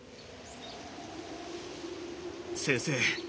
先生